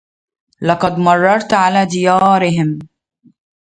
ولقد مررت على ديارهم